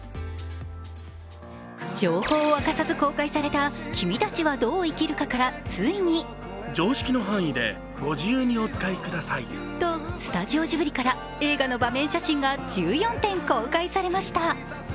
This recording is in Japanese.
情報を明かさず公開された「君たちはどう生きるか」からついにと、スタジオジブリから映画の場面写真が１４点公開されました。